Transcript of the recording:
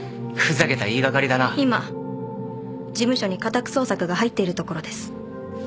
今事務所に家宅捜索が入っているところです。